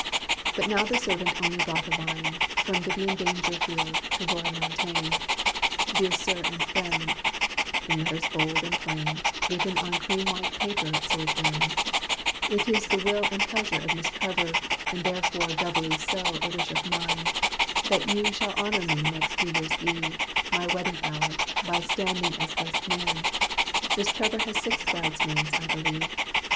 But now the servant only brought a line From Vivian Dangerfield to Roy Montaine, "Dear Sir, and Friend" in letters bold and plain, Written on cream white paper, so it ran: "It is the will and pleasure of Miss Trevor, And therefore doubly so a wish of mine, That you shall honor me next New Year Eve, My wedding hour, by standing as best man. Miss Trevor has six bridesmaids I believe.